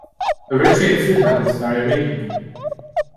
Eritrean food habits vary regionally.